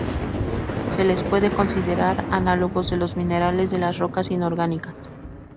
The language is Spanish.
Se les puede considerar análogos de los minerales de las rocas inorgánicas.